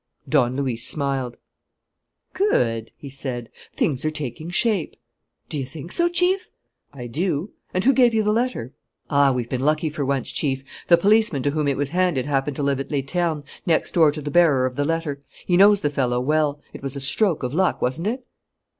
Don Luis smiled. "Good," he said. "Things are taking shape," "Do you think so, Chief?" "I do. And who gave you the letter?" "Ah, we've been lucky for once, Chief! The policeman to whom it was handed happened to live at Les Ternes, next door to the bearer of the letter. He knows the fellow well. It was a stroke of luck, wasn't it?"